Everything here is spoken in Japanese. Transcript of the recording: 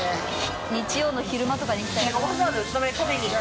日曜の昼間とかに行きたい藤田）